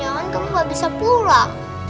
jangan kamu gak bisa pulang